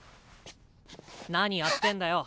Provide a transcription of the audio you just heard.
何やってんだよ。